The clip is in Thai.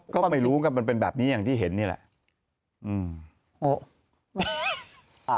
ก็ไม่รู้ครับมันเป็นแบบนี้อย่างที่เห็นนี่แหละ